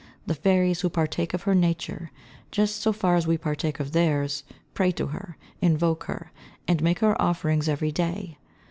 The fairies, who partake of her nature just so far as we partake of theirs, pray to her, invoke her, and make her offerings every day.